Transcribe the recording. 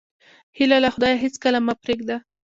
هیله له خدایه هېڅکله مه پرېږده.